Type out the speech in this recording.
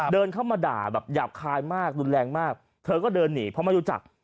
เดินเข้ามาด่าแบบหยาบคายมากรุนแรงมากเธอก็เดินหนีเพราะไม่รู้จัก